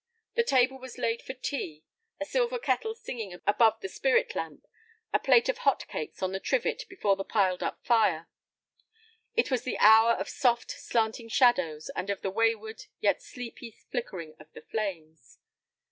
The table was laid for tea, a silver kettle singing above the spirit lamp, a plate of hot cakes on the trivet before the piled up fire. It was the hour of soft, slanting shadows, and of the wayward yet sleepy flickering of the flames.